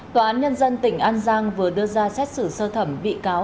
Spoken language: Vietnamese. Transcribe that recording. tòa án nhân dân tỉnh an giang vừa đưa ra xét xử sơ thẩm bị cáo